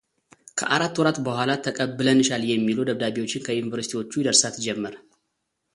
ከአራት ወራት በኋላ ተቀብለንሻል የሚሉ ደብዳቤዎችን ከዩኒቨርስቲዎቹ ይደርሳት ጀመር።